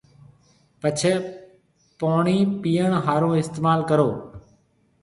پڇيَ پاڻِي پيئڻ هارو استعمال ڪرو